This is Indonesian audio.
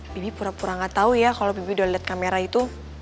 bibi pura pura gak tau ya kalau bibi udah liat kamera itu